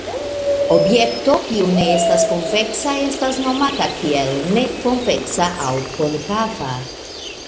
Objekto kiu ne estas konveksa estas nomata kiel ne konveksa aŭ konkava.